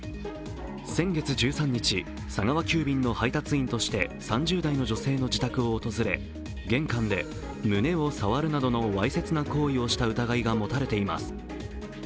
先月１３日、佐川急便の配達員として３０代の女性の自宅を訪れ玄関で胸を触るなどのわいせつな行為をした疑いが持たれています。